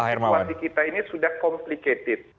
jadi perbedaan situasi kita ini sudah complicated